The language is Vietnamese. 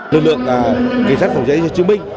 lực lượng cảnh sát phòng chữa chữa chữa chứng minh